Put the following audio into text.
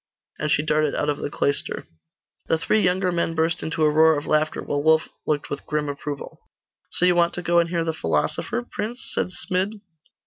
And she darted out of the cloister. The three younger men burst into a roar of laughter, while Wulf looked with grim approval. 'So you want to go and hear the philosopher, prince?' said Smid.